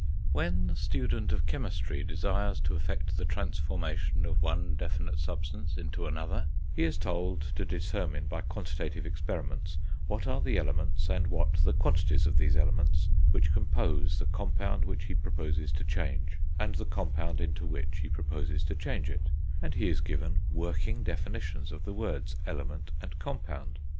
When the student of chemistry desires to effect the transformation of one definite substance into another, he is told to determine, by quantitative experiments, what are the elements, and what the quantities of these elements, which compose the compound which he proposes to change, and the compound into which he proposes to change it; and he is given working definitions of the words element and compound.